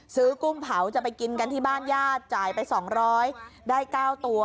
กุ้งเผาจะไปกินกันที่บ้านญาติจ่ายไป๒๐๐ได้๙ตัว